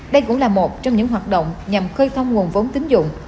đây cũng là một trong những hoạt động nhằm khơi thông nguồn vốn tín dụng